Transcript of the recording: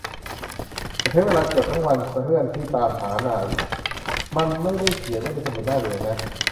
ฉันใช้เวลาเกือบทั้งวันเพื่อนที่ตามหานาย มันไม่ได้เขียนไว้ในสมุดหน้าเหลืองนะ